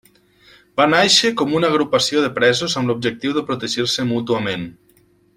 Va nàixer com una agrupació de presos amb l'objectiu de protegir-se mútuament.